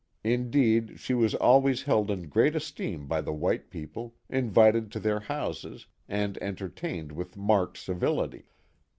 Indeed she was always held in great esteem by the white people, invited to their houses, and enter tained with marked civility.